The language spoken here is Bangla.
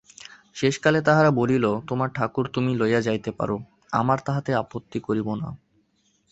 শেষকালে তাহারা বলিল–তোমার ঠাকুর তুমি লইয়া যাইতে পারো, আমরা তাহাতে আপত্তি করিব না।